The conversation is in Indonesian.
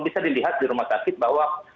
bisa dilihat di rumah sakit bahwa